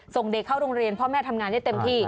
ส่งเด็กเข้าโรงเรียนพ่อแม่ทำงานได้เต็มที่